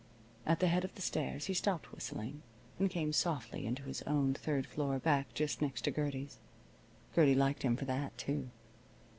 At the head of the stairs he stopped whistling and came softly into his own third floor back just next to Gertie's. Gertie liked him for that, too.